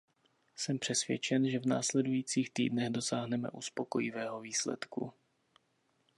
Jsem přesvědčen, že v následujících týdnech dosáhneme uspokojivého výsledku.